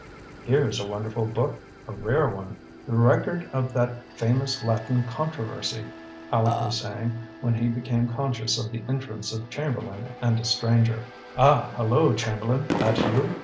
"Here's a wonderful book a rare one the record of that famous Latin controversy," Aleck was saying, when he became conscious of the entrance of Chamberlain and a stranger. "Ah, hello, Chamberlain, that you?"